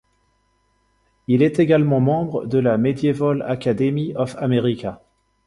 Il est également membre de la Medieval Academy of America.